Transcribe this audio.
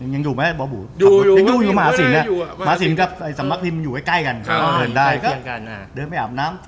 ยังอยู่ไว้บ่ะบูอยู่มาสินมาสินกับสบัคริมอยู่ไว้ใกล้กันเดินไปอาบน้ำ